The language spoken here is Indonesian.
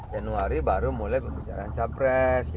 januari baru mulai pembicaraan capres